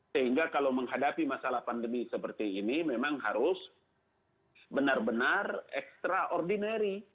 sehingga kalau menghadapi masalah pandemi seperti ini memang harus benar benar extraordinary